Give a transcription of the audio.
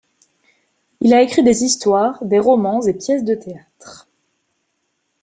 Il a écrit des histoires, des romans et pièces de théâtre.